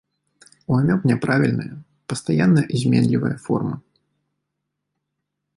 У амёб няправільная, пастаянна зменлівая форма.